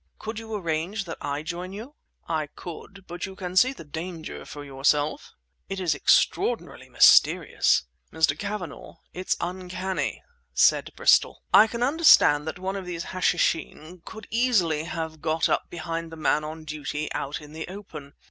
"Could you arrange that I join you?" "I could, but you can see the danger for yourself?" "It is extraordinarily mysterious." "Mr. Cavanagh, it's uncanny!" said Bristol. "I can understand that one of these Hashishin could easily have got up behind the man on duty out in the open.